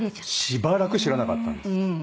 しばらく知らなかったんです。